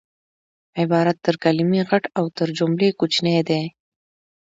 عبارت تر کلیمې غټ او تر جملې کوچنی دئ